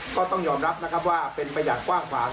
ก็ต้องยอมรับนะครับว่าเป็นไปอย่างกว้างขวาง